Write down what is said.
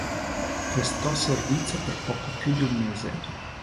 Prestò servizio per poco più di un mese.